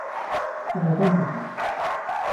Wwḍent-d.